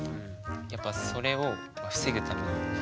やっぱそれを防ぐために。